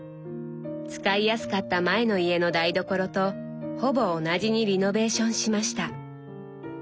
使いやすかった前の家の台所とほぼ同じにリノベーションしました。